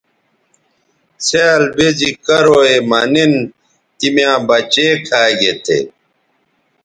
څھیال بے زی کرو یے مہ نِن تی میاں بچے کھا گے تھے